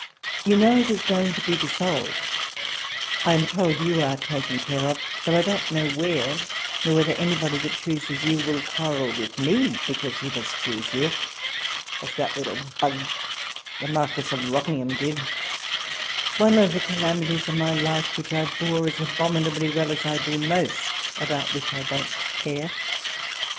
You know it is going to be dissolved : I am told, you are taken care of, though I don't know where, nor whether anybody that chooses j'ou wull quarrel with me because he does choose you, as that little bug the Marquis of Rockingham did ; one of the calamities of my life which I have bore as abominably well as I do most about which I don't care.